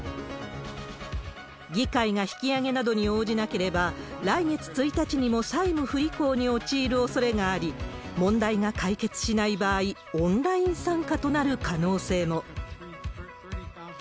議会が引き上げなどに応じなければ、来月１日にも債務不履行に陥るおそれがあり、問題が解決しない場合、オンライン参加となる可能性も。